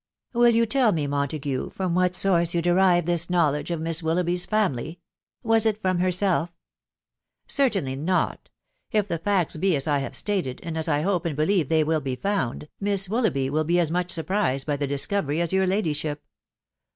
" Will you tell me, Montague, from what source you de rived this knowledge of Miss Willoughby's family ?...• Was it from herself ?"" Certainly not. If the facts be as I have stated, and as I hope and believe they will be found, Miss Willoughby will be as much surprised by the discovery as your ladyship."